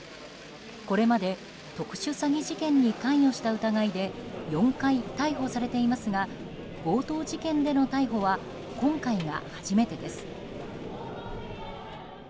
これまで特殊詐欺事件に関与した疑いで４回、逮捕されていますが強盗事件での逮捕は今回が初めてです。